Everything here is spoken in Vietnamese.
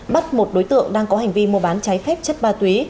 bắt một đối tượng đang có hành vi mua bán cháy phép chất ba túy